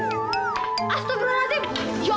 ya allah kong